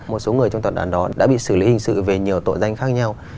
một số người trong tập đoàn đó đã bị xử lý hình sự về nhiều tội danh khác nhau